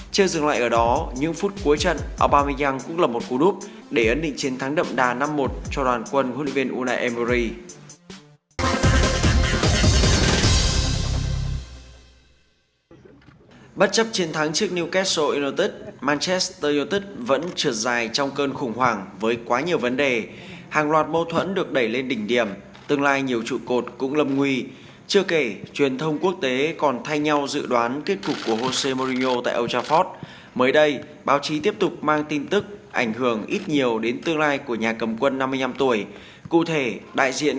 chưa dừng lại ở đó nhưng phút cuối trận aubameyang cũng lập một cú đúc để ấn định chiến thắng đậm đà năm một cho đoàn quân unae